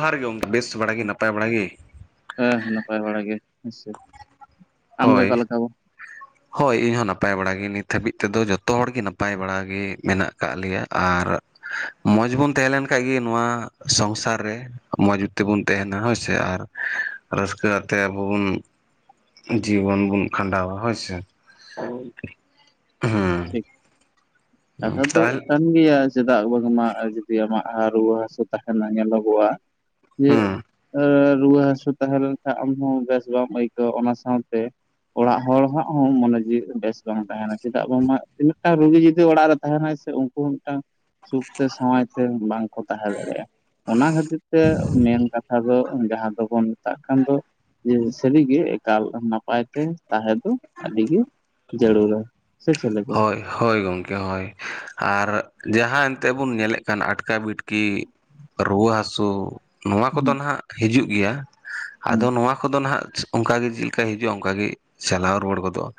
ᱡᱚᱦᱟᱨ ᱜᱮ ᱜᱚᱝᱠᱮ ᱵᱮᱥ ᱵᱟᱲᱟ ᱜᱮ ᱱᱟᱯᱟᱭ ᱵᱟᱲᱟ ᱜᱮ ᱦᱮᱸ ᱱᱟᱯᱟᱭ ᱵᱟᱲᱟ ᱜᱮ ᱦᱮ ᱥᱮ ᱟᱢᱜᱮ ᱦᱳᱭ ᱚᱠᱟᱞᱮᱠᱟ ᱦᱳᱭ ᱤᱧᱦᱚᱸ ᱱᱟᱯᱟᱭ ᱵᱟᱲᱟᱜ ᱜᱮ ᱱᱤᱛ ᱦᱟᱹᱵᱤᱡ ᱛᱮᱫᱚ ᱡᱚᱛᱚ ᱦᱚᱲᱜᱮ ᱱᱟᱯᱟᱭ ᱵᱟᱲᱟ ᱜᱮ ᱢᱮᱱᱟᱜ ᱟᱠᱟᱫ ᱞᱮᱭᱟ ᱟᱨ ᱢᱚᱡᱽ ᱵᱚᱱ ᱛᱟᱦᱮᱸᱞᱮᱱ ᱠᱷᱟᱡ ᱜᱮ ᱱᱚᱣᱟ ᱥᱚᱝᱥᱟᱨ ᱨᱮ ᱢᱚᱸᱡᱽ ᱛᱮᱵᱩᱱ ᱛᱟᱦᱮᱱᱟ ᱦᱳᱭᱥᱮ ᱟᱨ ᱨᱟᱹᱥᱠᱟᱹ ᱟᱛᱮ ᱟᱵᱚ ᱵᱚᱱ ᱡᱤᱵᱚᱱ ᱵᱚᱱ ᱠᱷᱟᱸᱰᱟᱣᱟ ᱦᱳᱭᱥᱮ ᱦᱩᱸ ᱴᱷᱤᱠ ᱠᱟᱛᱷᱟ ᱫᱚ ᱛᱟᱦᱚᱞᱮ ᱠᱟᱱ [unintelligible] ᱪᱮᱫᱟᱜ ᱵᱟᱝᱢᱟ ᱡᱩᱫᱤ ᱟᱢᱟᱜ ᱨᱩᱣᱟᱹ ᱦᱟᱹᱥᱩ ᱛᱟᱦᱮᱱᱟ ᱧᱮᱞᱚᱜᱚᱜᱼᱟ ᱡᱮ ᱦᱩᱸ ᱨᱩᱣᱟᱹ ᱦᱟᱹᱥᱩ ᱛᱟᱦᱮᱸ ᱞᱮᱱᱠᱷᱟᱡ ᱟᱢ ᱦᱚᱸ ᱵᱮᱥ ᱵᱟᱢ ᱟᱹᱭᱠᱟᱹᱣᱟ ᱚᱱᱟ ᱥᱟᱶᱛᱮ ᱚᱲᱟᱜ ᱦᱚᱲᱟᱜ ᱦᱚᱸ ᱢᱚᱱᱮ ᱡᱤᱣ ᱵᱮᱥ ᱵᱟᱝ ᱛᱟᱦᱮᱱᱟ ᱪᱮᱫᱟᱜ ᱵᱟᱝᱢᱟ ᱢᱤᱫᱴᱟᱝ ᱨᱩᱜᱤ ᱡᱩᱫᱤ ᱡᱩᱫᱤ ᱚᱲᱟᱜ ᱨᱮ ᱛᱟᱦᱮᱱᱟᱭ ᱥᱮ ᱩᱱᱠᱩ ᱦᱚᱸ ᱢᱤᱫᱴᱟᱝ ᱥᱩᱠᱛᱮ ᱥᱟᱶᱟᱭ ᱛᱮ ᱵᱟᱝᱠᱚ ᱛᱟᱦᱮᱸ ᱫᱟᱲᱮᱭᱟᱜᱼᱟ ᱚᱱᱟ ᱠᱷᱟᱹᱛᱤᱨ ᱛᱮ ᱢᱮᱱ ᱠᱟᱛᱷᱟ ᱫᱚ ᱡᱟᱦᱟᱸ ᱫᱚᱵᱚᱱ ᱢᱮᱛᱟᱜ ᱠᱟᱱ ᱫᱚ ᱡᱮ ᱥᱟᱹᱨᱤᱜᱮ ᱮᱠᱟᱞ ᱱᱟᱯᱟᱭ ᱛᱮ ᱛᱟᱦᱮᱸ ᱫᱚ ᱟᱹᱰᱤ ᱜᱮ ᱡᱟᱹᱨᱩᱲᱟ ᱥᱮ ᱪᱮᱫ ᱞᱮᱠᱟ ᱦᱳᱭ ᱦᱳᱭ ᱜᱚᱢᱠᱮ ᱦᱳᱭ ᱟᱨ ᱡᱟᱦᱟᱸ ᱮᱱᱛᱮ ᱵᱚᱱ ᱧᱮᱞᱮᱫ ᱠᱟᱱ ᱟᱴᱠᱟᱵᱤᱴᱠᱤ ᱨᱩᱣᱟᱹ ᱦᱟᱹᱥᱩ ᱱᱚᱣᱟ ᱠᱚᱫᱚ ᱦᱩᱸ ᱱᱟᱦᱟᱜ ᱦᱤᱡᱩᱜ ᱜᱮᱭᱟ ᱦᱩᱸ ᱟᱫᱚ ᱱᱚᱣᱟ ᱠᱚᱫᱚ ᱱᱟᱦᱟᱜ ᱚᱱᱠᱟ ᱜᱮ ᱪᱮᱫ ᱞᱮᱠᱟ ᱦᱤᱡᱩᱜᱼᱟ ᱚᱱᱠᱟ ᱜᱮ ᱪᱟᱞᱟᱣ ᱨᱩᱣᱟᱹᱲ ᱜᱚᱫᱚᱜᱼᱟ᱾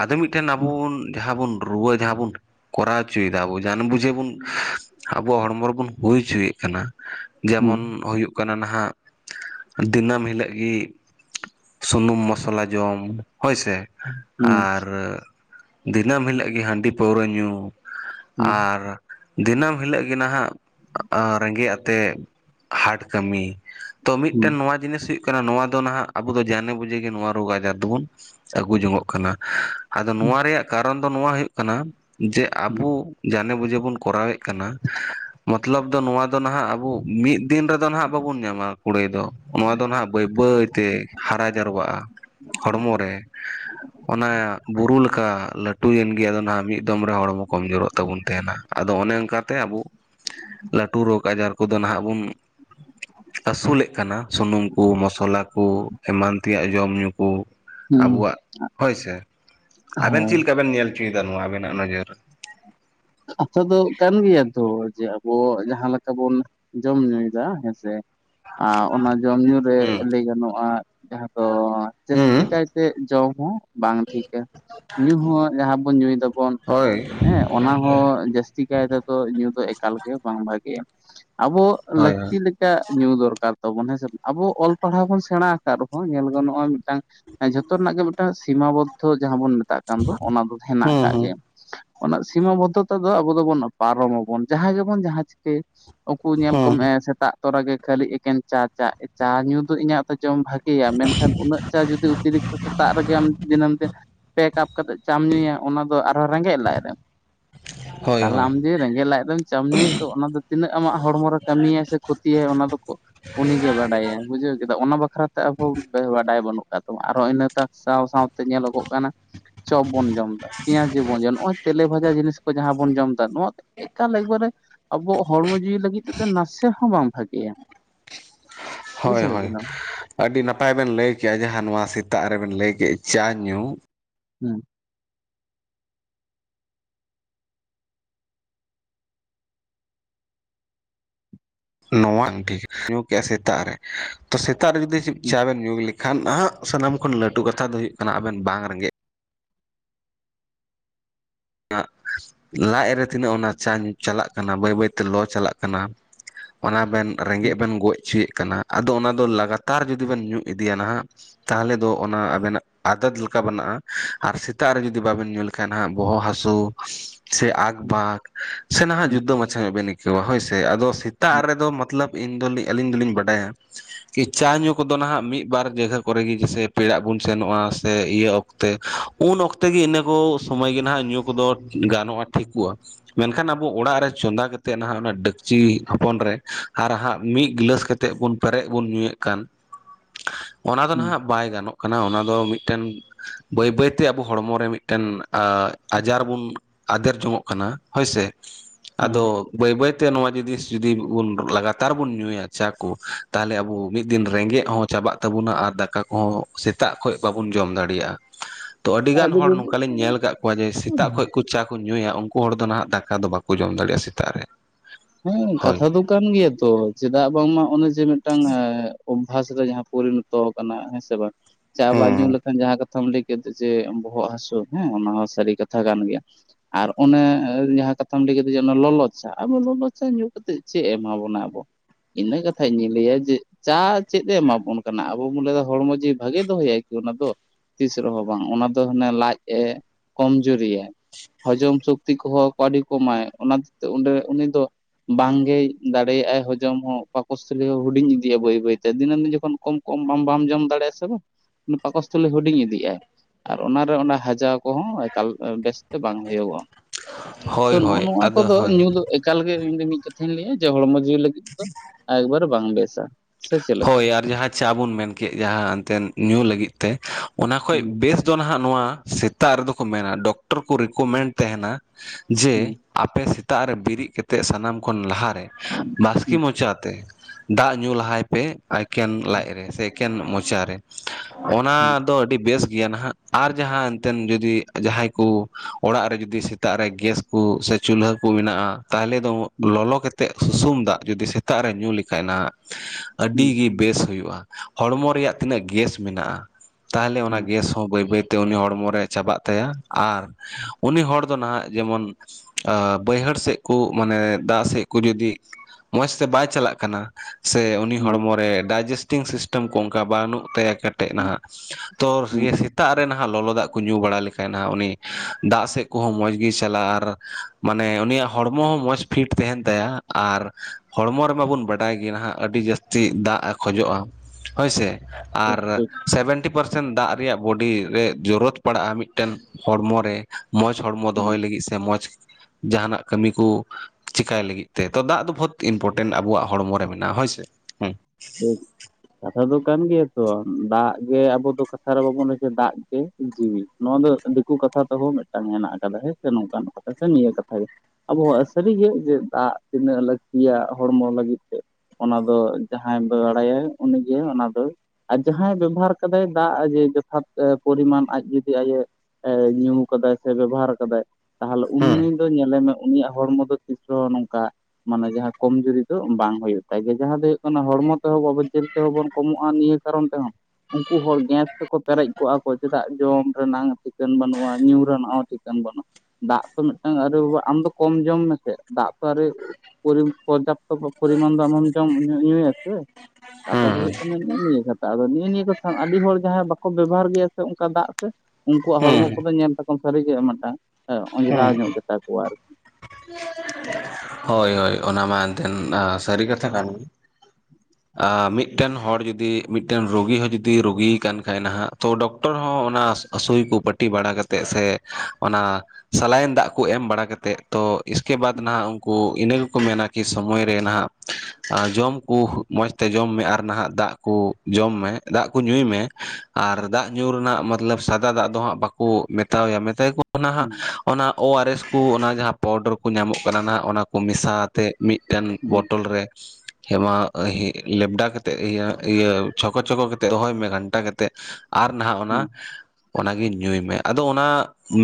ᱟᱫᱚ ᱢᱤᱫᱴᱮᱱ ᱟᱵᱚ ᱡᱟᱦᱟᱸ ᱵᱚᱱ ᱨᱩᱣᱟᱹ ᱡᱟᱦᱟᱸ ᱵᱚᱱ ᱠᱚᱨᱟᱣ ᱦᱚᱪᱚᱭᱮᱫᱟ ᱡᱟᱦᱟ ᱵᱩᱡᱷᱮ ᱵᱚᱱ ᱟᱵᱚᱣᱟᱜ ᱦᱚᱲᱢᱚ ᱨᱮᱵᱚᱱ ᱦᱩᱭ ᱦᱚᱪᱚᱭᱮᱫ ᱠᱟᱱᱟ ᱦᱩᱸ ᱡᱮᱢᱚᱱ ᱦᱩᱭᱩᱜ ᱦᱩᱭᱩᱜ ᱠᱟᱱᱟ ᱱᱟᱦᱟᱜ ᱫᱤᱱᱟᱹᱢ ᱦᱤᱞᱳᱜ ᱜᱮ ᱥᱩᱱᱩᱢ ᱢᱚᱥᱞᱟ ᱡᱚᱢ ᱦᱳᱭ ᱥᱮ ᱦᱩᱸ ᱟᱨ ᱫᱤᱱᱟᱹᱢ ᱦᱤᱞᱟᱹᱜ ᱜᱮ ᱦᱟᱹᱸᱰᱤ ᱯᱟᱹᱣᱨᱟᱹ ᱧᱩ ᱦᱩᱸ ᱟᱨ ᱫᱤᱱᱟᱹᱢ ᱦᱤᱞᱳᱜ ᱜᱮ ᱱᱟᱦᱟᱜ ᱨᱮᱸᱜᱮᱡ ᱟᱛᱮᱫ ᱦᱟᱴ ᱠᱟᱹᱢᱤ ᱛᱚ ᱦᱩᱸ ᱢᱤᱫᱴᱮᱱ ᱱᱚᱣᱟ ᱡᱤᱱᱤᱥ ᱦᱩᱭᱩᱜ ᱠᱟᱱᱟ ᱱᱚᱣᱟ ᱫᱚ ᱱᱟᱦᱟᱜ ᱟᱵᱚ ᱫᱚ ᱡᱟᱱᱮ ᱵᱩᱡᱮ ᱜᱮ ᱱᱚᱣᱟ ᱨᱳᱜᱽ ᱟᱡᱟᱨ ᱫᱚᱵᱚᱱ ᱟᱹᱜᱩ ᱡᱚᱝᱼᱚᱜ ᱠᱟᱱᱟ ᱟᱫᱚ ᱱᱚᱣᱟ ᱨᱮᱭᱟᱜ ᱠᱟᱨᱚᱱ ᱫᱚ ᱱᱚᱣᱟ ᱦᱩᱭᱩᱜ ᱠᱟᱱᱟ ᱡᱮ ᱦᱩᱸ ᱟᱵᱚ ᱡᱟᱱᱮ ᱵᱩᱡᱮ ᱵᱚᱱ ᱠᱚᱨᱟᱣᱮᱫ ᱠᱟᱱᱟ ᱢᱟᱛᱞᱟᱵ ᱫᱚ ᱱᱚᱣᱟ ᱱᱟᱦᱟᱜ ᱟᱵᱚ ᱢᱤᱫ ᱫᱤᱱ ᱨᱮᱫᱚ ᱱᱟᱦᱟᱜ ᱵᱟᱵᱚᱱ ᱧᱟᱢᱟ ᱠᱩᱲᱟᱹᱭ ᱫᱚ ᱱᱚᱣᱟ ᱫᱚ ᱱᱟᱦᱟᱜ ᱵᱟᱹᱭ ᱵᱟᱹᱭ ᱛᱮ ᱦᱟᱨᱟ ᱡᱟᱨᱣᱟᱜᱼᱟ ᱦᱚᱲᱢᱚ ᱨᱮ ᱚᱱᱟ ᱵᱩᱨᱩ ᱞᱮᱠᱟ ᱞᱟᱹᱴᱩᱭᱮᱱ ᱜᱮ ᱟᱫᱚ ᱱᱟᱦᱟᱜ ᱢᱤᱫ ᱫᱚᱢ ᱨᱮ ᱦᱚᱲᱢᱚ ᱠᱚᱢ ᱡᱳᱨ ᱛᱟᱵᱚᱱ ᱛᱟᱦᱮᱱᱟ ᱟᱫᱚ ᱚᱱᱮ ᱚᱱᱠᱟᱛᱮ ᱟᱵᱚ ᱞᱟᱹᱴᱩ ᱨᱳᱜᱽ ᱟᱡᱟᱨ ᱠᱚᱫᱚ ᱱᱟᱦᱟᱜ ᱵᱚᱱ ᱟᱹᱥᱩᱞᱮᱫ ᱠᱟᱱᱟ ᱥᱩᱱᱩᱢ ᱠᱚ ᱢᱚᱥᱞᱟ ᱠᱚ ᱮᱢᱟᱱ ᱛᱮᱭᱟᱜ ᱡᱚᱢ ᱧᱩ ᱠᱚ ᱦᱩᱸ ᱟᱵᱚᱣᱟᱜ ᱦᱳᱭᱥᱮ ᱟᱵᱮᱱ ᱦᱳᱭ ᱪᱮᱫᱞᱠᱟ ᱵᱮᱱ ᱧᱮᱞ ᱦᱚᱪᱚᱭ ᱮᱫᱟ ᱱᱚᱣᱟ ᱟᱵᱮᱱᱟᱜ ᱱᱚᱡᱚᱨ ᱨᱮ ᱠᱟᱛᱷᱟ ᱫᱚ ᱠᱟᱱ ᱜᱮᱭᱟ ᱛᱚ ᱡᱮ ᱟᱵᱚ ᱡᱟᱦᱟᱸ ᱞᱮᱠᱟ ᱵᱚᱱ ᱡᱚᱢ ᱧᱩᱭ ᱫᱟ ᱦᱮᱸᱥᱮ ᱟᱨ ᱚᱱᱟ ᱡᱚᱢ ᱧᱩ ᱨᱮ ᱦᱩᱸ ᱞᱟᱹᱭ ᱜᱟᱱᱚᱜᱼᱟ ᱡᱟᱦᱟᱸ ᱫᱚ ᱡᱟᱹᱥᱛᱤ ᱦᱩᱸ ᱠᱟᱭᱛᱮ ᱡᱚᱢ ᱦᱚᱸ ᱵᱟᱝ ᱴᱷᱤᱠᱟ ᱧᱩ ᱦᱚᱸ ᱡᱟᱦᱟᱸ ᱵᱚᱱ ᱧᱩᱭ ᱫᱟᱵᱚᱱ ᱦᱳᱭ ᱦᱮᱸ ᱚᱱᱟ ᱦᱚᱸ ᱡᱟᱹᱥᱛᱤ ᱠᱟᱭ ᱛᱮᱫᱚ ᱧᱩ ᱫᱚ ᱮᱠᱟᱞᱜᱮ ᱵᱟᱝ ᱵᱷᱟᱜᱮᱭᱼᱟ ᱟᱵᱚ ᱦᱳᱭ ᱦᱳᱭ ᱞᱟᱹᱠᱛᱤ [unintelligible] ᱧᱩ ᱫᱚᱨᱠᱟᱨ ᱛᱟᱵᱚᱱ ᱦᱮᱸ ᱥᱮ ᱟᱵᱚ ᱚᱞ ᱯᱟᱲᱦᱟᱣ ᱵᱚᱱ ᱥᱮᱬᱟ ᱠᱟᱫ ᱨᱮᱦᱚᱸ ᱧᱮᱞ ᱜᱟᱱᱚᱜᱼᱟ ᱢᱤᱫᱴᱟᱝ ᱡᱷᱚᱛᱚ ᱨᱮᱱᱟᱜ ᱜᱮ ᱢᱤᱫᱴᱟᱝ ᱥᱤᱢᱟ ᱵᱚᱫᱽᱫᱷᱚ ᱡᱟᱦᱟᱸ ᱵᱚᱱ ᱢᱮᱛᱟᱜ ᱫᱚ ᱚᱱᱟ ᱫᱚ ᱦᱮᱱᱟᱜ ᱦᱩᱸ ᱠᱟᱜ ᱦᱩᱸ ᱜᱮᱭᱟ ᱚᱱᱟ ᱥᱤᱢᱟ ᱵᱚᱫᱽᱫᱷᱚ ᱫᱚ ᱟᱵᱚ ᱫᱚᱵᱚᱱ ᱯᱟᱨᱚᱢᱟᱵᱚᱱ ᱡᱟᱦᱟᱸ ᱜᱮᱵᱚᱱ ᱡᱟᱦᱟᱸ ᱪᱤᱠᱟᱹᱭ ᱩᱱᱠᱩ ᱧᱮᱞ ᱦᱩᱸ ᱠᱚᱢ ᱥᱮᱛᱟᱜ ᱛᱚᱨᱟᱜᱮ ᱠᱷᱟᱹᱞᱤ ᱮᱠᱮᱱ ᱪᱟ ᱪᱟ ᱾ ᱪᱟ ᱧᱩ ᱫᱚ ᱤᱧᱟᱹᱜ ᱡᱚᱢ ᱵᱷᱟᱜᱮᱭᱟ ᱢᱮᱱᱠᱷᱟᱱ ᱩᱱᱟᱹᱜ ᱪᱟ ᱡᱩᱫᱤ ᱚᱛᱤᱨᱤᱠᱛᱚ ᱥᱮᱛᱟᱜ ᱨᱮᱜᱮ ᱟᱢ ᱫᱤᱱᱟᱹᱢ ᱫᱤᱱ ᱯᱮ ᱠᱟᱯ ᱠᱟᱛᱮ ᱪᱟᱢ ᱧᱩᱭᱟ ᱚᱱᱟ ᱫᱚ ᱟᱨᱦᱚᱸ ᱨᱮᱸᱜᱮᱡ ᱞᱟᱡ ᱨᱮᱢ ᱦᱳᱭ ᱛᱟᱦᱚᱞᱮ ᱦᱳᱭ ᱟᱢ ᱡᱮ ᱨᱮᱸᱜᱮᱡ ᱞᱟᱡ ᱨᱮᱢ ᱪᱟᱢ ᱧᱩᱭᱮᱫ ᱫᱚ ᱚᱱᱟ ᱫᱚ ᱛᱤᱱᱟᱹᱜ ᱟᱢᱟᱜ ᱦᱚᱲᱢᱚ ᱨᱮ ᱠᱟᱹᱢᱤᱭᱟᱭ ᱥᱮ ᱠᱷᱚᱛᱤᱭᱟᱭ ᱚᱱᱟ ᱫᱚ ᱠᱚ ᱩᱱᱤᱜᱮ ᱵᱟᱰᱟᱭᱟᱭ ᱵᱩᱡᱷᱟᱹᱣ ᱠᱮᱫᱟ ᱚᱱᱟ ᱵᱟᱠᱷᱨᱟᱛᱮ ᱟᱵᱚ ᱵᱟᱰᱟᱭ ᱵᱟᱹᱱᱩᱜ ᱠᱟᱫ ᱛᱚ ᱟᱨᱷᱚᱸ ᱤᱱᱟᱹ ᱛᱟᱠ ᱥᱟᱶ ᱥᱟᱶᱛᱮ ᱧᱮᱞᱚᱜᱚᱜ ᱠᱟᱱᱟ ᱪᱚᱯ ᱵᱚᱱ ᱡᱚᱢ ᱫᱟ ᱯᱮᱸᱭᱟᱡ ᱜᱮ ᱡᱮᱢᱚᱱ ᱾ ᱱᱚᱜᱼᱚᱭ ᱛᱮᱞᱮ ᱵᱷᱟᱡᱟ ᱡᱤᱱᱤᱥ ᱠᱚ ᱡᱟᱦᱟᱸ ᱵᱚᱱ ᱡᱚᱢ ᱫᱟ ᱱᱚᱣᱟ ᱮᱠᱟᱞ ᱮᱠᱵᱟᱨᱮ ᱟᱵᱚᱣᱟᱜ ᱦᱚᱲᱢᱚ ᱡᱤᱣᱤ ᱞᱟᱹᱜᱤᱫ ᱛᱮᱫᱚ ᱱᱟᱥᱮ ᱦᱚᱸ ᱵᱟᱝ ᱵᱷᱟᱜᱮ ᱭᱟ ᱦᱳᱭ ᱦᱳᱭ ᱟᱹᱰᱤ ᱱᱟᱯᱟᱭ ᱵᱮᱱ ᱞᱟᱹᱭ ᱠᱮᱜᱼᱟ ᱡᱟᱦᱟᱸ ᱱᱚᱣᱟ ᱥᱮᱛᱟᱜ ᱨᱮᱵᱮᱱ ᱞᱟᱹᱭ ᱠᱮᱫᱼᱟ ᱪᱟ ᱧᱩ ᱦᱩᱸ ᱱᱚᱣᱟ ᱴᱷᱤᱠ ᱧᱩ ᱠᱮᱜᱼᱟ ᱥᱮᱛᱟᱜ ᱨᱮ ᱾ ᱛᱚ ᱥᱮᱛᱟᱜ ᱨᱮ ᱡᱩᱫᱤ ᱦᱩᱸ ᱪᱟᱵᱮᱱ ᱧᱩ ᱞᱮᱠᱷᱟᱱ ᱠᱷᱟᱱ ᱱᱟᱦᱟᱜ ᱥᱟᱱᱟᱢ ᱠᱷᱚᱱ ᱞᱟᱹᱴᱩ ᱠᱟᱛᱷᱟ ᱫᱚ ᱦᱩᱭᱩᱜ ᱠᱟᱱᱟ ᱟᱵᱮᱱ ᱵᱟᱝ ᱨᱮᱸᱜᱮᱡ [unintelligible] ᱞᱟᱡ ᱨᱮ ᱛᱤᱱᱟᱹᱜ ᱚᱱᱟ ᱪᱟ ᱧᱩ ᱪᱟᱞᱟᱜ ᱠᱟᱱᱟ ᱵᱟᱹᱭ ᱵᱟᱹᱭ ᱛᱮ ᱞᱚ ᱪᱟᱞᱟᱜ ᱠᱟᱱᱟ᱾ ᱚᱱᱟ ᱵᱮᱱ ᱦᱩᱸ ᱨᱮᱸᱜᱮᱡ ᱵᱮᱱ ᱜᱚᱡ ᱦᱚᱪᱚᱭᱮᱫ ᱠᱟᱱᱟ ᱾ ᱟᱫᱚ ᱚᱱᱟ ᱫᱚ ᱞᱟᱜᱟᱛᱟᱨ ᱡᱩᱫᱤ ᱵᱮᱱ ᱧᱩ ᱤᱫᱤᱭᱟ ᱱᱟᱦᱟᱜ ᱛᱟᱦᱚᱞᱮ ᱫᱚ ᱚᱱᱟ ᱟᱵᱮᱱᱟᱜ ᱟᱫᱟᱛ ᱞᱮᱠᱟ ᱵᱮᱱᱟᱜᱼᱟ ᱟᱨ ᱥᱮᱛᱟᱜ ᱨᱮ ᱡᱩᱫᱤ ᱵᱟᱵᱮᱱ ᱧᱩ ᱞᱮᱠᱷᱟᱱ ᱦᱟᱜ ᱵᱚᱦᱚᱜ ᱦᱟᱥᱩ ᱦᱟᱹᱥᱩ ᱥᱮ ᱦᱩᱸ ᱟᱠᱵᱟᱹᱠ ᱥᱮ ᱱᱟᱦᱟᱜ ᱦᱩᱸ ᱡᱩᱫᱽᱫᱚ ᱢᱟᱪᱷᱟ ᱧᱚᱜ ᱵᱮᱱ ᱟᱹᱭᱠᱟᱹᱣᱟ ᱦᱚᱭ ᱥᱮ ᱟᱫᱚ ᱾ ᱥᱮᱛᱟᱜ ᱨᱮᱫᱚ ᱢᱚᱛᱞᱚᱵ ᱤᱧ ᱫᱚᱧ ᱟᱹᱞᱤᱧ ᱫᱚᱞᱤᱧ ᱵᱟᱰᱟᱭᱟ ᱠᱤ ᱪᱟ ᱧᱩ ᱠᱚᱫᱚ ᱱᱟᱦᱟᱜ ᱢᱤᱫᱼᱵᱟᱨ ᱡᱟᱭᱜᱟ ᱠᱚᱨᱮ ᱜᱮ ᱡᱮᱭᱥᱮ ᱯᱮᱲᱟᱜ ᱵᱚᱱ ᱥᱮᱱᱚᱜᱼᱟ ᱥᱮ ᱤᱭᱟᱹ ᱚᱠᱛᱚ ᱩᱱ ᱚᱠᱛᱮ ᱜᱮ ᱤᱱᱟᱹ ᱠᱚ ᱥᱚᱢᱚᱭ ᱜᱮ ᱱᱟᱦᱟᱜ ᱧᱩ ᱠᱚᱫᱚ ᱜᱟᱱᱚᱜᱼᱟ ᱴᱷᱤᱠᱚᱜᱼᱟ ᱾ ᱢᱮᱱᱠᱷᱟᱱ ᱟᱵᱚ ᱚᱲᱟᱜ ᱨᱮ ᱪᱚᱸᱫᱟ ᱠᱟᱛᱮᱫ ᱱᱟᱦᱟᱜ ᱚᱱᱟ ᱰᱮᱠᱪᱤ ᱦᱚᱯᱚᱱ ᱨᱮ ᱟᱨ ᱦᱟᱸᱜ ᱢᱤᱫ ᱜᱤᱞᱟᱹᱥ ᱠᱟᱛᱮ ᱛᱮᱫ ᱵᱚᱱ ᱯᱮᱨᱮᱡ ᱵᱚᱱ ᱧᱩᱭᱮᱫ ᱠᱟᱱ ᱚᱱᱟ ᱫᱚ ᱦᱩᱸ ᱦᱩᱸ ᱱᱟᱦᱟᱜ ᱵᱟᱭ ᱜᱟᱱᱚᱜ ᱠᱟᱱᱟ ᱚᱱᱟ ᱫᱚ ᱢᱤᱫᱴᱮᱱ ᱵᱟᱹᱭ ᱵᱟᱹᱭ ᱛᱮ ᱟᱵᱚ ᱦᱚᱲᱢᱚ ᱨᱮ ᱢᱤᱫᱴᱮᱱ ᱟᱡᱟᱨ ᱵᱚᱱ ᱟᱫᱮᱨ ᱡᱚᱝᱚᱜ ᱠᱟᱱᱟ ᱦᱚᱭ ᱥᱮ ᱾ ᱦᱮᱸ ᱟᱫᱚ ᱵᱟᱹᱭ ᱵᱟᱹᱭ ᱛᱮ ᱱᱚᱣᱟ ᱡᱤᱱᱤᱥ ᱡᱩᱫᱤ ᱵᱚ ᱞᱟᱜᱟᱛᱟᱨ ᱵᱚᱱ ᱧᱩᱭᱟ ᱪᱟ ᱠᱚ ᱛᱟᱦᱚᱞᱮ ᱟᱵᱚ ᱢᱤᱫ ᱫᱤᱱ ᱨᱮᱸᱜᱮᱡ ᱦᱚᱸ ᱪᱟᱵᱟᱜ ᱛᱟᱵᱚᱱᱟ ᱟᱨ ᱫᱟᱠᱟ ᱠᱚᱦᱚᱸ ᱥᱮᱛᱟᱜ ᱠᱷᱚᱱ ᱵᱟᱵᱚᱱ ᱡᱚᱢ ᱫᱟᱲᱮᱭᱟᱜᱼᱟ ᱾ ᱛᱚ ᱟᱹᱰᱤ ᱜᱟᱱ ᱟᱫᱚ ᱦᱚᱲ ᱵᱟᱹᱵᱩ ᱱᱚᱝᱠᱟ ᱞᱤᱧ ᱧᱮᱞ ᱟᱠᱟᱫ ᱠᱚᱣᱟ ᱡᱮ ᱥᱮᱛᱟᱜ ᱠᱷᱚᱱ ᱠᱚ [unintelligible] ᱠᱚ ᱧᱩᱭᱟ ᱩᱱᱠᱩ ᱦᱚᱲ ᱫᱚ ᱱᱟᱦᱟᱜ ᱫᱟᱠᱟ ᱫᱚ ᱵᱟᱠᱚ ᱡᱚᱢ ᱫᱟᱲᱮᱭᱟᱜᱼᱟ ᱥᱮᱛᱟᱜ ᱨᱮ ᱾ ᱦᱮᱸ ᱠᱟᱛᱷᱟ ᱫᱚ ᱠᱟᱱ ᱜᱮᱭᱟ ᱛᱚ ᱪᱮᱫᱟᱜ ᱵᱟᱝᱢᱟ ᱚᱱᱮ ᱡᱮ ᱢᱤᱫᱴᱟᱝ ᱚᱵᱷᱟᱥ ᱨᱮ ᱡᱟᱦᱟᱸ ᱯᱚᱨᱤᱵᱚᱨᱛᱚᱱ ᱟᱠᱟᱱᱟ ᱦᱮᱸ ᱥᱮ ᱵᱟᱝ ᱾ ᱪᱟ ᱵᱟᱝ ᱧᱩ ᱞᱮᱠᱷᱟᱱ ᱡᱟᱦᱟᱸ ᱠᱟᱛᱷᱟᱢ ᱞᱟᱹᱭ ᱠᱮᱫ ᱡᱮ ᱵᱚᱦᱚᱜ ᱦᱟᱹᱥᱩ ᱦᱮᱸ ᱚᱱᱟ ᱦᱚᱸ ᱥᱟᱹᱨᱤ ᱠᱟᱛᱷᱟ ᱠᱟᱱ ᱜᱮᱭᱟ ᱾ ᱟᱨ ᱚᱱᱮ ᱡᱟᱦᱟᱸ ᱠᱟᱛᱷᱟᱢ ᱞᱟᱹᱭ ᱠᱮᱫ ᱡᱮ ᱞᱚᱞᱚ ᱪᱟ [unintelligible] ᱪᱟ ᱧᱩ ᱠᱟᱛᱮᱫ ᱪᱮᱫ ᱮᱢᱟ ᱵᱚᱱᱟ ᱟᱵᱚ ᱤᱱᱟᱹ ᱠᱟᱛᱷᱟ ᱤᱧᱤᱧ ᱞᱟᱹᱭᱟ ᱡᱮ ᱪᱟ ᱪᱮᱫ ᱮ ᱮᱢᱟ ᱵᱚᱱ ᱠᱟᱱᱟ ᱟᱵᱚ ᱵᱚᱱ ᱞᱟᱹᱭᱫᱟ ᱦᱚᱲᱢᱚ ᱡᱤᱣᱤ ᱵᱷᱟᱜᱮ ᱫᱚᱦᱚ ᱭᱟᱭ ᱠᱤ ᱚᱱᱟ ᱫᱚ? ᱛᱤᱥ ᱨᱮᱦᱚᱸ ᱵᱟᱝ ᱚᱱᱟ ᱫᱚ ᱦᱟᱱᱮ ᱞᱟᱡ ᱮ ᱠᱚᱢ ᱡᱩᱨᱤ ᱭᱟᱭ ᱾ ᱦᱚᱡᱚᱢ ᱥᱚᱠᱛᱤ ᱠᱚᱦᱚᱸ ᱟᱹᱰᱤ ᱠᱚᱢᱟᱭ ᱚᱱᱟ ᱛᱮ ᱚᱸᱰᱮ ᱩᱱᱤ ᱫᱚ ᱵᱟᱝᱜᱮᱭ ᱫᱟᱲᱮᱭᱟᱜ ᱟᱭ ᱦᱚᱡᱚᱢ ᱦᱚᱸ [unintelligible] ᱦᱩᱰᱤᱧ ᱤᱫᱤᱜᱼᱟ ᱵᱟᱹᱭ ᱵᱟᱹᱭᱛᱮ ᱫᱤᱱᱟᱹᱢ ᱫᱤᱱ ᱡᱚᱠᱷᱚᱱ ᱠᱚᱢ ᱠᱚᱢ ᱵᱟᱢ ᱵᱟᱢ ᱡᱚᱢ ᱫᱟᱲᱮᱭᱟᱜᱼᱟ ᱥᱮ ᱵᱟᱝ ᱯᱟᱠᱚᱥ ᱛᱷᱚᱞᱤ ᱦᱩᱰᱤᱧ ᱤᱫᱤᱜᱼᱟ ᱾ ᱟᱨ ᱚᱱᱟᱨᱮ ᱚᱱᱟ ᱦᱟᱡᱟᱣ ᱠᱚᱦᱚᱸ ᱮᱠᱟᱞ ᱵᱮᱥ ᱥᱮ ᱵᱟᱝ ᱦᱩᱭᱩᱜᱚᱜᱼᱟ ᱛᱚ ᱦᱳᱭ ᱱᱚᱜᱼᱚ ᱦᱳᱭ ᱱᱚᱣᱟ ᱟᱫᱚ ᱠᱚᱫᱚ ᱦᱳᱭ ᱧᱩ ᱫᱚ ᱮᱠᱟᱞ ᱜᱮ ᱤᱧ ᱫᱚ ᱢᱤᱫ ᱠᱟᱛᱷᱟᱧ ᱞᱟᱹᱭᱟ ᱡᱮ ᱦᱚᱲᱢᱚ ᱡᱤᱣᱤ ᱞᱟᱹᱜᱤᱫ ᱫᱚ ᱮᱠᱵᱟᱨ ᱵᱟᱝ ᱵᱮᱥᱟ ᱾ ᱦᱚᱭ ᱟᱨ ᱡᱟᱦᱟᱸ ᱪᱟ ᱵᱚᱱ ᱢᱮᱱ ᱠᱮᱫ ᱡᱟᱦᱟᱸ ᱮᱱᱛᱮ ᱧᱩ ᱞᱟᱹᱜᱤᱫ ᱛᱮ ᱚᱱᱟ ᱠᱷᱚᱡ ᱦᱩᱸ ᱵᱮᱥ ᱫᱚ ᱱᱟᱦᱟᱜ ᱱᱚᱣᱟ ᱥᱮᱛᱟᱜ ᱨᱮᱫᱚ ᱠᱚ ᱢᱮᱱᱟ ᱰᱚᱠᱴᱚᱨ ᱠᱚ ᱨᱤᱠᱳᱚᱢᱮᱱᱴ ᱛᱟᱦᱮᱸᱱᱟ ᱡᱮ ᱦᱩᱸ ᱟᱯᱮ ᱥᱮᱛᱟᱜ ᱨᱮ ᱵᱤᱨᱮᱫ ᱠᱟᱛᱮᱫ ᱥᱟᱱᱟᱢ ᱠᱷᱚᱱ ᱞᱟᱦᱟᱨᱮ ᱵᱟᱥᱠᱮ ᱦᱩᱸ ᱢᱚᱪᱟ ᱛᱮ ᱫᱟᱜ ᱧᱩ ᱞᱟᱦᱟᱭ ᱯᱮ ᱮᱠᱮᱱ ᱞᱟᱡ ᱨᱮ ᱥᱮ ᱮᱠᱮᱱ ᱢᱚᱪᱟ ᱨᱮ ᱾ ᱚᱱᱟ ᱦᱩᱸ ᱫᱚ ᱟᱹᱰᱤ ᱵᱮᱥ ᱜᱮᱭᱟ ᱱᱟᱦᱟᱜ ᱟᱨ ᱡᱟᱦᱟᱸ ᱮᱱᱛᱮᱫ ᱡᱩᱫᱤ ᱡᱟᱦᱟᱸᱭ ᱠᱚ ᱚᱲᱟᱜ ᱨᱮ ᱡᱩᱫᱤ ᱥᱮᱛᱟᱜ ᱨᱮ ᱜᱮᱥ ᱠᱚ ᱥᱮ ᱪᱩᱞᱦᱟᱹ ᱠᱚ ᱢᱮᱱᱟᱜᱼᱟ ᱛᱟᱦᱚᱞᱮ ᱫᱚ ᱞᱚᱞᱚ ᱠᱟᱛᱮᱫ ᱥᱩᱥᱩᱢ ᱫᱟᱜ ᱡᱩᱫᱤ ᱥᱮᱛᱟᱜ ᱨᱮ ᱧᱩ ᱞᱮᱠᱷᱟᱡ ᱱᱟᱦᱟᱜ ᱟᱹᱰᱤ ᱦᱩᱸ ᱜᱮ ᱵᱮᱥ ᱦᱩᱭᱩᱜᱼᱟ ᱾ ᱦᱚᱲᱢᱚ ᱨᱮᱭᱟᱜ ᱛᱤᱱᱟᱹᱜ ᱜᱮᱥ ᱢᱮᱱᱟᱜᱼᱟ ᱛᱟᱦᱚᱞᱮ ᱚᱱᱟ ᱦᱩᱸ ᱜᱮᱥ ᱦᱚᱸ ᱵᱟᱹᱭ ᱵᱟᱹᱭᱛᱮ ᱩᱱᱤ ᱦᱚᱲᱢᱚ ᱨᱮ ᱪᱟᱵᱟᱜ ᱛᱟᱭᱟ ᱟᱨ ᱩᱱᱤ ᱦᱚᱲ ᱫᱚ ᱱᱟᱦᱟᱜ ᱡᱮᱢᱚᱱ ᱵᱟᱹᱭᱦᱟᱹᱲ ᱥᱮᱫ ᱠᱚ ᱢᱟᱱᱮ ᱫᱟᱜ ᱥᱮᱫ ᱠᱚ ᱡᱩᱫᱤ ᱢᱚᱸᱡᱽ ᱛᱮ ᱵᱟᱭ ᱪᱟᱞᱟᱜ ᱠᱟᱱᱟ ᱥᱮ ᱩᱱᱤ ᱦᱩᱸ ᱦᱚᱲᱢᱚᱨ ᱨᱮ ᱰᱟᱭᱡᱮᱥᱴᱤᱝ ᱥᱤᱥᱴᱮᱢ ᱠᱚ ᱚᱱᱠᱟ ᱵᱟᱹᱱᱩᱜ ᱛᱟᱭᱟ ᱠᱟᱛᱮᱡ ᱦᱩᱸ ᱦᱩᱸ ᱱᱟᱦᱟᱜ ᱛᱚ ᱦᱩᱸ ᱥᱮᱛᱟᱜ ᱨᱮ ᱱᱟᱦᱟᱜ ᱞᱚᱞᱚ ᱫᱟᱜ ᱠᱚ ᱧᱩ ᱵᱟᱲᱟ ᱞᱮᱠᱷᱟᱱᱡ ᱱᱟᱜ ᱩᱱᱤ ᱫᱟᱜ ᱥᱮᱡ ᱠᱚᱦᱚᱸ ᱢᱚᱡᱽ ᱜᱮᱭ ᱪᱟᱞᱟᱜᱼᱟ ᱟᱨ ᱢᱟᱱᱮ ᱩᱱᱤᱭᱟᱜ ᱦᱚᱲᱢᱚ ᱦᱚᱸ ᱢᱚᱡᱽ ᱯᱷᱤᱴ ᱛᱟᱦᱮᱱ ᱛᱟᱭᱟ ᱟᱨ ᱦᱚᱲᱢᱚ ᱨᱮᱢᱟ ᱵᱚᱱ ᱵᱟᱰᱟᱭ ᱜᱮᱭᱟ ᱱᱟᱦᱟᱜ ᱟᱹᱰᱤ ᱡᱟᱹᱥᱛᱤ ᱫᱟᱜ ᱮ ᱠᱷᱚᱡᱚᱜᱼᱟ ᱦᱚᱭ ᱥᱮ ᱟᱨ ᱴᱷᱤᱠ ᱴᱷᱤᱠ ᱥᱮᱵᱷᱮᱱᱴᱤ ᱯᱟᱨᱥᱮᱱ ᱫᱟᱜ ᱨᱮᱭᱟᱜ ᱵᱚᱰᱤ ᱨᱮ ᱡᱚᱨᱩᱨᱟᱛ ᱯᱟᱲᱟᱜᱼᱟ ᱢᱤᱫᱴᱮᱱ ᱦᱚᱲᱢᱚ ᱨᱮ ᱢᱚᱸᱡᱽ ᱦᱚᱲᱢᱚ ᱦᱩᱸ ᱫᱚᱦᱚᱭ ᱞᱟᱹᱜᱤᱫ ᱥᱮ ᱢᱚᱡᱽ ᱡᱟᱦᱟᱱᱟᱜ ᱠᱟᱹᱢᱤ ᱠᱚ ᱪᱤᱠᱟᱹᱭ ᱞᱟᱹᱜᱤᱫ ᱛᱮ ᱫᱟᱜ ᱫᱚ ᱵᱚᱦᱩᱛ ᱤᱢᱯᱴᱮᱱᱴ ᱟᱵᱚᱣᱟᱜ ᱦᱚᱲᱢᱚ ᱨᱮ ᱢᱮᱱᱟᱜᱼᱟ ᱦᱚᱭ ᱥᱮ ᱦᱩ ᱴᱷᱤᱠ [unintelligible] ᱠᱟᱛᱷᱟ ᱫᱚ ᱠᱟᱱ ᱜᱮᱭᱟ ᱛᱚ ᱫᱟᱜ ᱜᱮ ᱟᱵᱚ ᱫᱚ ᱠᱟᱛᱷᱟ ᱨᱮ ᱵᱟᱵᱚᱱ ᱞᱟᱹᱭ ᱫᱟᱜ ᱜᱮ ᱡᱤᱣᱤ ᱱᱚᱣᱟ ᱫᱚ ᱫᱤᱠᱩ ᱠᱟᱛᱷᱟ ᱛᱮᱦᱚᱸ ᱢᱤᱫᱴᱟᱝ ᱦᱮᱱᱟᱜ ᱟᱠᱟᱫᱟ ᱦᱮᱸ ᱥᱮ ᱱᱚᱝᱠᱟᱱ ᱠᱟᱛᱷᱟ ᱥᱮ ᱱᱤᱭᱟᱹ ᱠᱟᱛᱷᱟ ᱜᱮ ᱟᱵᱚᱣᱟᱜ ᱥᱟᱹᱨᱤ ᱜᱮ ᱡᱮ ᱫᱟᱜ ᱛᱤᱱᱟᱹᱜ ᱞᱟᱹᱠᱛᱤᱭᱟ ᱦᱚᱲᱢᱚ ᱞᱟᱹᱜᱤᱫ ᱛᱮ ᱚᱱᱟ ᱫᱚ ᱡᱟᱦᱟᱸᱭ ᱵᱚ ᱵᱟᱲᱟᱭᱟ ᱩᱱᱤᱜᱮ ᱚᱱᱟ ᱫᱚ ᱟᱨ ᱡᱟᱦᱟᱸᱭ ᱵᱮᱵᱚᱦᱟᱨ ᱠᱟᱫᱟᱭ ᱫᱟᱜ ᱡᱮ ᱡᱚᱛᱷᱟᱛ ᱯᱚᱨᱤᱢᱟᱱ ᱟᱡ ᱡᱩᱫᱤ ᱟᱮ ᱧᱩ ᱠᱟᱫᱟᱭ ᱥᱮ ᱵᱮᱵᱟᱨ ᱠᱟᱫᱟᱭ ᱛᱟᱦᱚᱞᱮ ᱩᱱᱤ ᱦᱩᱸ ᱫᱚ ᱧᱮᱞᱮ ᱢᱮ ᱩᱱᱤᱭᱟᱜ ᱦᱚᱲᱢᱚ ᱫᱚ ᱛᱤᱥᱦᱚᱸ ᱱᱚᱝᱠᱟ ᱢᱟᱱᱮ ᱡᱟᱦᱟᱸ ᱠᱚᱢᱡᱩᱨᱤ ᱫᱚ ᱵᱟᱝ ᱦᱩᱭᱩᱜ ᱛᱟᱭ ᱜᱮᱭᱟ ᱡᱟᱦᱟᱸ ᱫᱚ ᱦᱩᱭᱩᱜ ᱦᱚᱲᱢᱚ ᱛᱮᱦᱚᱸ ᱵᱟᱵ ᱡᱤᱞ ᱛᱮᱦᱚᱸ ᱵᱚᱱ ᱠᱚᱢᱚᱜᱼᱟ ᱱᱤᱭᱟᱹ ᱠᱟᱨᱚᱱ ᱛᱮᱦᱚᱸ ᱩᱱᱠᱩ ᱦᱚᱲ ᱜᱮᱸᱥ ᱛᱮᱠᱚ ᱯᱮᱨᱮᱡᱽ ᱠᱚᱜᱼᱟ ᱠᱚ ᱪᱮᱫᱟᱜ ᱡᱚᱢ ᱨᱮᱱᱟᱝ ᱪᱤᱠᱟᱹᱱ ᱵᱟᱹᱱᱩᱜᱼᱟ ᱧᱩ ᱨᱮᱱᱟᱜ ᱦᱚᱸ ᱠᱟᱱᱱ ᱵᱟᱱᱟ [unintelligible] ᱫᱟᱜ ᱛᱚ ᱢᱤᱫᱴᱟᱝ ᱟᱨᱣᱨᱤ ᱵᱟᱵᱟ ᱟᱢ ᱫᱚ ᱠᱚᱢ ᱡᱚᱢ ᱢᱮᱥᱮ ᱫᱟᱜ ᱛᱚᱣᱨᱤ ᱯᱚᱨᱡᱟᱯᱛᱚ [unintelligible] ᱯᱚᱨᱤᱢᱟᱱ ᱫᱚ ᱟᱢᱦᱚᱢ ᱡᱚᱢ ᱧᱩᱭᱟ ᱥᱮ ᱠᱟᱛᱷᱟ ᱫᱚ ᱦᱩᱸ ᱦᱩᱭᱩᱜ ᱠᱟᱱᱟ ᱱᱮᱜ ᱱᱤᱭᱟᱹ ᱠᱟᱛᱷᱟ ᱟᱫᱚ ᱱᱮᱜ ᱱᱤᱭᱟᱹ ᱠᱚ ᱟᱹᱰᱤ ᱦᱚᱲ ᱡᱟᱦᱟᱸᱭ ᱵᱟᱠᱚ ᱵᱮᱵᱚᱦᱟᱨ ᱜᱮᱭᱟ ᱥᱮ ᱚᱱᱠᱟ ᱫᱟᱜ ᱩᱱᱠᱩᱣᱟᱜ ᱦᱚᱲᱢᱚ ᱦᱩᱸ ᱠᱚᱫᱚ ᱧᱮᱞ ᱛᱟᱠᱚ ᱥᱟᱹᱨᱤᱜᱮ ᱢᱤᱫᱴᱟᱝ ᱦᱩᱸ ᱚᱸᱡᱽᱨᱟᱣ ᱧᱚᱜ ᱜᱮᱛᱟ ᱠᱚᱣᱟ ᱟᱨᱠᱤ ᱦᱳᱭ ᱦᱳᱭ ᱚᱱᱟ ᱢᱟ ᱮᱱᱛᱮᱫ ᱥᱟᱹᱨᱤ ᱠᱟᱛᱷᱟ ᱠᱟᱱ ᱜᱮ [inaudible] [unintelligible] ᱢᱤᱫᱴᱮᱱ ᱦᱚᱲ ᱡᱩᱫᱤ ᱢᱤᱫᱴᱮᱱ ᱨᱩᱜᱤ ᱦᱚᱸ ᱡᱩᱫᱤ ᱨᱩᱜᱤᱭ ᱠᱟᱱ ᱠᱷᱟᱡ ᱱᱟᱦᱟᱜ ᱛᱚ ᱰᱚᱠᱴᱚᱨ ᱦᱚᱸ ᱚᱱᱟ ᱥᱩᱭ ᱠᱚ ᱯᱟᱹᱴᱤ ᱵᱟᱲᱟ ᱠᱟᱛᱮᱫ ᱥᱮ ᱚᱱᱟ ᱥᱟᱞᱟᱭᱮᱱ ᱫᱟᱜ ᱠᱚ ᱮᱢ ᱵᱟᱲᱟ ᱠᱟᱛᱮᱫ ᱛᱚ ᱤᱥᱠᱮ ᱵᱟᱫᱽ ᱱᱟᱦᱟᱜ ᱩᱱᱠᱩ ᱤᱱᱟᱹ ᱜᱮᱠᱚ ᱢᱮᱱᱟ ᱠᱤ ᱥᱚᱢᱚᱭ ᱨᱮ ᱱᱟᱦᱟᱜ ᱡᱚᱢ ᱠᱚ ᱢᱚᱸᱡᱽ ᱛᱮ ᱡᱚᱢ ᱢᱮ ᱟᱨ ᱱᱟᱦᱟᱜ ᱫᱟᱜ ᱠᱚ ᱡᱚᱢ ᱢᱮ ᱫᱟᱜ ᱠᱚ ᱧᱩᱭ ᱢᱮ ᱟᱨ ᱫᱟᱜ ᱧᱩᱸ ᱨᱮᱱᱟᱜ ᱢᱟᱛᱞᱚᱵ ᱥᱟᱫᱟ ᱫᱟᱜ ᱫᱚ ᱦᱟᱸᱜ ᱵᱟᱠᱚ ᱢᱮᱛᱟᱣᱭᱟ ᱢᱮᱛᱟᱭᱟ ᱠᱚ ᱚᱱᱟᱦᱟᱜ ᱦᱩᱸ ᱚᱱᱟ ᱳ ᱟᱨᱮᱥ ᱠᱚ ᱚᱱᱟ ᱡᱟᱦᱟᱸ ᱯᱚᱰᱚᱨ ᱠᱚ ᱧᱟᱢᱚᱜ ᱠᱟᱱᱟ ᱱᱟᱜ ᱚᱱᱟ ᱠᱚ ᱢᱮᱥᱟ ᱛᱮ ᱢᱤᱫᱴᱮᱱ ᱦᱩᱸ ᱵᱚᱴᱚᱞ ᱨᱮ ᱦᱮᱢᱟ ᱞᱮᱯᱰᱟ ᱠᱟᱛᱮᱫ ᱤᱭᱟᱹ ᱤᱭᱟᱹ ᱪᱷᱚᱠᱳ ᱪᱷᱚᱠᱳ ᱠᱟᱛᱮᱫ ᱨᱚᱦᱚᱭ ᱢᱮ ᱜᱷᱟᱱᱴᱟ ᱠᱟᱛᱮᱫ ᱟᱨ ᱱᱟᱦᱟᱜ ᱚᱱᱟ ᱦᱩᱸ ᱚᱱᱟᱜᱮ ᱧᱩᱭ ᱢᱮ ᱟᱫᱚ ᱚᱱᱟ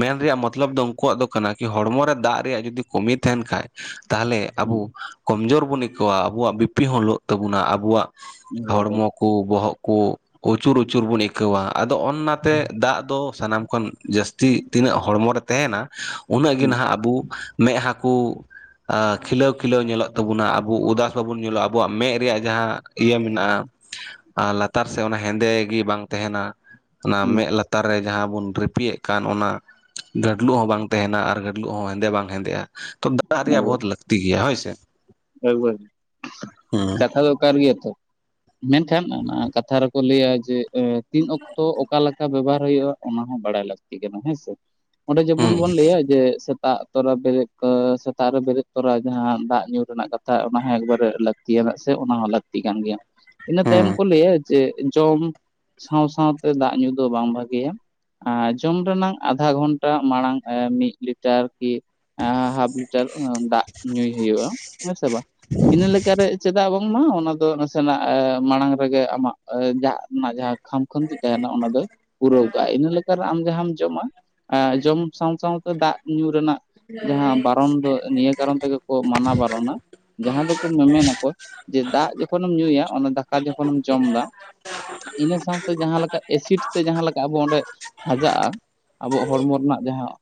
ᱢᱮᱱ ᱨᱮᱭᱟᱜ ᱢᱚᱛᱞᱚᱵ ᱫᱚ ᱟᱠᱚᱣᱟᱜ ᱫᱚ ᱠᱟᱱᱟ ᱠᱤ ᱦᱚᱲᱢᱚ ᱨᱮ ᱫᱟᱜ ᱨᱮᱭᱟᱜ ᱡᱩᱫᱤ ᱠᱚᱢᱤ ᱛᱟᱦᱮᱱ ᱠᱷᱟᱡ ᱛᱟᱦᱚᱞᱮ ᱟᱵᱚ ᱠᱚᱢᱡᱳᱨ ᱵᱚᱱ ᱟᱹᱭᱠᱟᱹᱣᱟ ᱟᱵᱚᱣᱟᱜ ᱵᱤᱯᱤ ᱦᱚᱸ ᱞᱚᱜ ᱛᱟᱵᱚᱱᱟ ᱟᱵᱚᱣᱟᱜ ᱦᱩᱸ ᱦᱚᱲᱢᱚ ᱠᱚ ᱵᱚᱦᱚᱜ ᱠᱩ ᱟᱹᱪᱩᱨ ᱟᱹᱪᱩᱨ ᱵᱚᱱ ᱟᱹᱭᱠᱟᱹᱣᱟ ᱟᱫᱚ ᱚᱱᱟᱛᱮ ᱫᱟᱜ ᱫᱚ ᱥᱟᱱᱟᱢ ᱠᱷᱚᱱ ᱡᱟᱹᱥᱛᱤ ᱛᱤᱱᱟᱹᱜ ᱦᱚᱲᱢᱚ ᱨᱮ ᱛᱟᱦᱮᱱᱟ ᱩᱱᱟᱹᱜ ᱜᱮ ᱦᱩᱸ ᱱᱟᱦᱟᱜ ᱟᱵᱚ ᱢᱮᱫᱦᱟ ᱠᱩ ᱠᱷᱤᱞᱟᱹᱣ ᱠᱷᱤᱞᱟᱹᱣ ᱧᱮᱞᱚᱜ ᱛᱟᱵᱩᱱᱟ ᱟᱵᱚ ᱩᱫᱥ ᱵᱟᱵᱚᱱ ᱧᱮᱞᱚᱜᱼᱟ ᱟᱵᱩᱣᱟᱜ ᱢᱮᱫ ᱨᱮᱭᱟᱜ ᱡᱟᱦᱟᱸ ᱤᱭᱟᱹ ᱢᱮᱱᱟᱜᱼᱟ ᱟᱨ ᱞᱟᱛᱟᱨ ᱥᱮᱫ ᱚᱱᱟ ᱦᱮᱸᱫᱮ ᱜᱮ ᱵᱟᱝ ᱛᱟᱦᱮᱱᱟ ᱚᱱᱟ ᱦᱩᱸ ᱢᱮᱫ ᱞᱟᱛᱟᱨ ᱨᱮ ᱡᱟᱦᱟᱸ ᱵᱚᱱ ᱨᱤᱯᱤᱭᱮᱫ ᱠᱟᱱ ᱚᱱᱟ ᱜᱟᱹᱰᱞᱩᱜ ᱦᱚᱸ ᱵᱟᱝ ᱛᱟᱦᱮᱱᱟ ᱟᱨ ᱜᱟᱹᱰᱞᱩᱜ ᱦᱚᱸ ᱦᱮᱸᱫᱮ ᱵᱟᱝ ᱦᱮᱸᱫᱮᱜᱼᱟ ᱛᱚ ᱫᱟᱜ ᱨᱮᱭᱟᱜ ᱮᱠᱵᱟᱨᱮ ᱵᱚᱦᱩᱛ ᱞᱟᱹᱠᱛᱤ ᱜᱮᱭᱟ ᱦᱳᱭ ᱥᱮ ᱦᱩᱸ ᱠᱟᱛᱷᱟ ᱫᱚ ᱠᱟᱨ ᱜᱮᱭᱟ ᱛᱚ ᱢᱮᱱᱠᱷᱟᱱ ᱚᱱᱟ ᱠᱟᱛᱷᱟ ᱠᱚ ᱞᱟᱹᱭᱟ ᱡᱮ ᱛᱤᱱ ᱚᱠᱛᱚ ᱚᱠᱟ ᱞᱮᱠᱟ ᱵᱮᱵᱚᱦᱟᱨ ᱦᱩᱭᱩᱜᱼᱟ ᱚᱱᱟ ᱦᱚᱸ ᱵᱟᱲᱟᱭ ᱞᱟᱹᱠᱛᱤᱜ ᱠᱟᱱᱟ ᱦᱮᱸ ᱥᱮ ᱚᱸᱰᱮ ᱡᱮᱢᱚᱱ ᱦᱩᱸ ᱵᱚᱱ ᱞᱟᱹᱭᱟ ᱡᱮ ᱥᱮᱛᱟᱜ ᱛᱚᱨᱟ ᱵᱮᱨᱮᱫ ᱥᱮᱛᱟᱜ ᱨᱮ ᱵᱮᱨᱮᱫ ᱛᱚᱨᱟ ᱡᱟᱦᱟᱸ ᱫᱟᱜ ᱧᱩᱨ ᱨᱮᱱᱟᱜ ᱠᱟᱛᱷᱟ ᱚᱱᱟ ᱦᱚᱸ ᱮᱠᱵᱟᱨᱮ ᱞᱟᱹᱠᱛᱤ ᱟᱱᱟᱜ ᱥᱮ ᱚᱱᱟ ᱦᱚᱸ ᱞᱟᱹᱠᱛᱤ ᱠᱟᱱ ᱜᱮᱭᱟ ᱤᱱᱟᱹ ᱛᱟᱭᱚᱢ ᱦᱩᱸ ᱠᱚ ᱞᱟᱹᱭᱟ ᱡᱮ ᱡᱚᱢ ᱥᱟᱶ ᱥᱟᱶᱛᱮ ᱫᱟᱜ ᱧᱩ ᱫᱚ ᱵᱟᱝ ᱵᱷᱟᱜᱮᱭᱟ ᱡᱚᱢ ᱨᱮᱱᱟ ᱟᱫᱷᱟ ᱜᱷᱚᱱᱴᱟ ᱢᱟᱲᱟᱝ ᱢᱤᱫ ᱞᱤᱴᱟᱨ ᱠᱤ ᱦᱟᱯ ᱞᱤᱴᱟᱨ ᱫᱟᱜ ᱧᱩᱭ ᱦᱩᱭᱩᱜ-ᱟ ᱦᱮᱸ ᱥᱮ ᱵᱟᱝ ᱤᱱᱟᱹ ᱞᱮᱠᱟᱨᱮ ᱪᱮᱫᱟᱜ ᱵᱟᱝᱢᱟ ᱚᱱᱟ ᱫᱚ ᱱᱟᱥᱮᱱᱟᱜ ᱢᱟᱲᱟᱝ ᱨᱮᱜᱮ ᱟᱢᱟᱜ ᱡᱟᱦᱟᱜ ᱡᱟᱦᱟᱸ ᱠᱷᱟᱢᱠᱷᱚᱱᱛᱤ ᱛᱟᱦᱮᱱᱟ ᱚᱱᱟ ᱫᱚ [inaudible] ᱯᱩᱨᱟᱹᱣ ᱠᱟᱜ-ᱟ ᱤᱱᱟᱹᱠᱟᱨᱮ ᱟᱢ ᱡᱟᱦᱟᱢ ᱡᱚᱢᱟ ᱡᱚᱢ ᱥᱟᱶ ᱥᱟᱶᱛᱮ ᱫᱟᱜ ᱧᱩ ᱨᱮᱱᱟᱜ ᱡᱟᱦᱟᱸ ᱵᱟᱨᱚᱱ ᱫᱚ ᱱᱤᱭᱟᱹ ᱠᱟᱨᱚᱱ ᱛᱮᱜᱮ ᱠᱚ ᱢᱟᱱᱟ ᱵᱟᱨᱚᱱᱟ [unintelligible] ᱡᱟᱦᱟᱸ ᱫᱚᱠᱚ ᱢᱮᱢᱮᱱᱟᱠᱚ ᱡᱮ ᱫᱟᱜ ᱡᱚᱠᱷᱚᱱᱮᱢ ᱧᱩᱭᱟ ᱚᱱᱟ ᱫᱟᱠᱟ ᱡᱚᱠᱷᱚᱱᱮᱢ ᱡᱚᱢ ᱮᱫᱟ ᱤᱱᱟᱹ ᱥᱟᱶᱛᱮ ᱡᱟᱦᱟ ᱞᱮᱠᱟ ᱮᱥᱤᱰ ᱛᱮ ᱡᱟᱦᱟᱸ ᱞᱮᱠᱟ ᱟᱵᱚ ᱚᱸᱰᱮ ᱦᱟᱡᱟᱜ-ᱟ ᱟᱵᱚᱣᱟᱜ ᱦᱚᱲᱢᱚ ᱨᱮᱱᱟᱜ ᱡᱟᱦᱟᱸ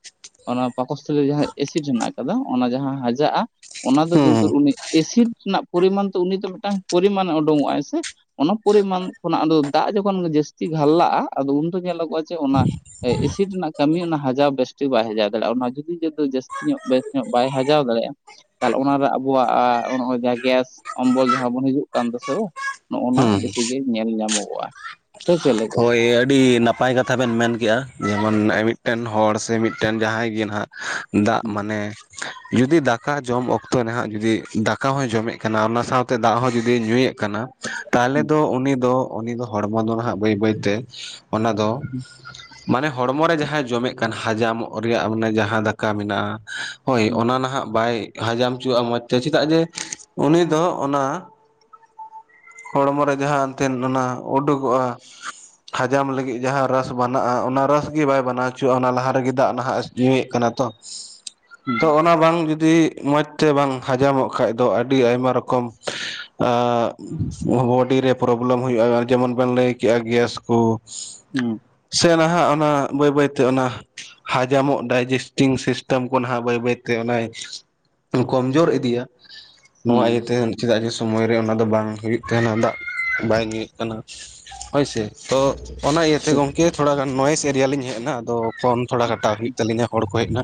ᱚᱱᱟ ᱯᱟᱠᱚᱥᱛᱷᱚᱞᱤ ᱨᱮ ᱡᱟᱦᱟᱸ ᱮᱥᱤᱰ ᱦᱮᱱᱟᱜ ᱟᱠᱟᱫᱟ ᱚᱱᱟ ᱡᱟᱦᱟᱸ ᱦᱟᱡᱟᱜ-ᱟ ᱚᱱᱟ ᱫᱚ ᱦᱩᱸ ᱠᱤᱱᱛᱩ ᱩᱱᱤ ᱮᱥᱤᱰ ᱨᱮᱱᱟᱜ ᱯᱚᱨᱤᱢᱟᱱ ᱫᱚ ᱩᱱᱤ ᱫᱚ ᱢᱤᱫᱴᱟᱝ ᱯᱚᱨᱤᱢᱟᱱᱮ ᱩᱰᱩᱸᱠᱚᱜᱟᱭ ᱥᱮ ᱚᱱᱟ ᱯᱚᱨᱤᱢᱟᱱ ᱠᱷᱚᱱᱟᱜ ᱟᱫᱚ ᱫᱟᱜ ᱡᱚᱠᱷᱚᱱ ᱡᱟᱹᱥᱛᱤ ᱜᱷᱟᱞᱞᱟᱜ-ᱟ ᱟᱫᱚ ᱩᱱ ᱨᱮᱜᱮ [unintelligible] ᱪᱮ ᱚᱱᱟ ᱮᱥᱤᱰ ᱨᱮᱱᱟᱜ ᱠᱟᱹᱢᱤ ᱚᱱᱟ ᱦᱟᱡᱟᱣ ᱵᱮᱥ ᱡᱟᱹᱥᱛ ᱵᱟᱭ ᱦᱟᱡᱟᱣ ᱫᱟᱲᱮᱭᱟᱜ-ᱟ ᱚᱱᱟ ᱡᱩᱫᱤ ᱡᱟᱹᱥᱛᱤ ᱧᱚᱜ ᱵᱮᱥ ᱧᱚᱜ ᱵᱟᱭ ᱦᱟᱡᱟᱣ ᱫᱟᱲᱮᱭᱟᱜ-ᱟ ᱛᱟᱦᱚᱞᱮ ᱚᱱᱟᱨᱮ ᱟᱵᱚᱣᱟᱜ ᱱᱚᱜ ᱜᱮᱥ ᱚᱢᱵᱚᱞ ᱡᱟᱦᱟᱸ ᱵᱚᱱ ᱦᱤᱡᱩᱜ ᱠᱟᱱ ᱫᱮᱥᱮ ᱵᱚᱝ ᱱᱚᱜ-ᱚ ᱱᱟ ᱦᱩᱸ ᱵᱮᱥᱤ ᱜᱮ ᱧᱮᱞ ᱧᱟᱢᱚᱜ-ᱟ ᱦᱳᱭ ᱟᱹᱰᱤ ᱱᱟᱯᱟᱭ ᱱᱟᱯᱟᱭ ᱠᱟᱛᱷᱟ ᱵᱮᱱ ᱢᱮᱱᱠᱮᱜ-ᱟ ᱡᱮᱢᱚᱱ ᱢᱤᱫᱴᱮᱱ ᱦᱚᱲ ᱥᱮ ᱢᱤᱫᱴᱮᱱ ᱡᱟᱦᱟᱭ ᱜᱮ ᱱᱟᱦᱟᱜ ᱫᱟᱜ ᱦᱩᱸ ᱢᱟᱱᱮ ᱡᱩᱫᱤ ᱫᱟᱠᱟ ᱡᱚᱢ ᱚᱠᱛᱚ ᱨᱮᱦᱟᱜ ᱡᱩᱫᱤ ᱫᱟᱠᱟ ᱦᱚᱭ ᱡᱚᱢᱮᱫ ᱠᱟᱱᱟ ᱚᱱᱟ ᱥᱟᱶᱛᱮ ᱫᱟᱜ ᱦᱚᱸ ᱡᱩᱫᱤ ᱧᱩᱭᱮᱫ ᱠᱟᱱᱟ ᱛᱟᱦᱚᱞᱮ ᱦᱩᱸ ᱫᱚ ᱩᱱᱤ ᱫᱚ ᱩᱱᱤ ᱫᱚ ᱦᱚᱲᱢᱚ ᱫᱚ ᱱᱟᱦᱟᱜ ᱵᱟᱹᱭ ᱵᱟᱹᱭ ᱛᱮ ᱚᱱᱟ ᱫᱚ ᱢᱟᱱᱮ ᱦᱚᱲᱢᱚ ᱨᱮ ᱡᱟᱦᱟᱭ ᱡᱚᱢᱮᱫ ᱠᱟᱱ ᱦᱟᱡᱟᱢᱚᱜ ᱨᱮᱭᱟᱜ ᱢᱟᱱᱮ ᱡᱟᱦᱟᱸ ᱫᱟᱠᱟ ᱢᱮᱱᱟᱜ-ᱟ ᱦᱳᱭ ᱦᱩᱸ ᱚᱱᱟ ᱱᱟᱦᱟᱜ ᱵᱟᱭ ᱦᱟᱡᱟᱢ ᱦᱚᱪᱚᱣᱟᱜ-ᱟ ᱢᱚᱡᱽ ᱛᱮ ᱪᱮᱫᱟᱜ ᱡᱮ ᱩᱱᱤ ᱫᱚ ᱚᱱᱟ ᱦᱚᱲᱢᱚ ᱨᱮ ᱡᱟᱦᱟᱸ ᱮᱱᱛᱮᱱ ᱚᱱᱟ ᱩᱰᱩᱠᱚᱜ-ᱟ ᱦᱟᱡᱚᱢ ᱞᱟᱹᱜᱤᱫ ᱡᱟᱦᱟᱸ ᱨᱟᱥ ᱵᱮᱱᱟᱜ-ᱟ ᱚᱱᱟ ᱨᱟᱥᱜᱤ ᱵᱟᱭ ᱵᱮᱱᱟᱣ ᱦᱚᱪᱚᱜᱣᱟᱜ-ᱟ ᱚᱱᱟ ᱞᱟᱦᱟ ᱨᱮᱜᱮ ᱫᱟᱜ ᱱᱟᱦᱟᱜ ᱧᱩᱭᱮᱫ ᱠᱟᱱᱟ ᱛᱚ ᱛᱚ ᱦᱩᱸ ᱚᱱᱟ ᱵᱟᱝ ᱡᱩᱫᱤ ᱡᱩᱫᱤ ᱢᱚᱡᱽ ᱛᱮ ᱵᱟᱝ ᱦᱚᱡᱟᱢᱚᱜ ᱠᱷᱟᱱᱡ ᱫᱚ ᱟᱹᱰᱤ ᱟᱭᱢᱟ ᱨᱚᱠᱚᱢ [unintelligible] ᱵᱚᱰᱤ ᱨᱮ ᱯᱨᱚᱵᱞᱮᱢ ᱦᱩᱭᱩᱜ-ᱟ ᱡᱮᱢᱚᱱ ᱵᱮᱱ ᱞᱟᱹᱭ ᱠᱮᱜ-ᱟ ᱜᱮᱥ ᱠᱚ ᱦᱩᱸ ᱥᱮ ᱱᱟᱦᱟᱜ ᱚᱱᱟ ᱵᱟᱹᱭ ᱵᱟᱹᱭᱛᱮ ᱚᱱᱟ ᱦᱟᱡᱟᱢᱚᱜ ᱰᱟᱭᱡᱮᱥᱴᱤᱝ ᱥᱤᱥᱴᱮᱢ ᱠᱚ ᱱᱟᱦᱟᱜ ᱵᱟᱹᱭ ᱵᱟᱹᱭᱛᱮ ᱚᱱᱟ ᱠᱚᱢᱡᱳᱨ ᱤᱫᱤᱜ-ᱟ ᱦᱩᱸ ᱱᱚᱣᱟ ᱦᱩᱸ ᱤᱭᱟᱹᱛᱮ ᱪᱮᱫᱟᱜ ᱡᱮ ᱥᱚᱢᱚᱭ ᱨᱮ ᱚᱱᱟ ᱫᱚ ᱵᱟᱝ ᱦᱩᱭᱩᱜ ᱛᱟᱦᱮᱱᱟ ᱫᱟᱜ ᱵᱟᱭ ᱧᱩᱭᱮᱫ ᱠᱟᱱᱟ ᱦᱳᱭ ᱥᱮ ᱛᱚ ᱚᱱᱟ ᱤᱭᱟᱹᱛᱮ ᱜᱚᱢᱠᱮ ᱛᱷᱚᱲᱟ ᱜᱟᱱ ᱱᱚᱭᱮᱥ ᱮᱨᱮᱭᱟ ᱞᱤᱧ ᱦᱮᱡ ᱮᱱᱟ ᱟᱫᱚ ᱯᱷᱳᱱ ᱛᱷᱚᱲᱟ ᱠᱟᱴᱟᱣ ᱦᱩᱭᱩᱜ ᱛᱟᱹᱞᱤᱧᱟ ᱦᱚᱲ ᱠᱚ ᱦᱮᱡ ᱮᱱᱟ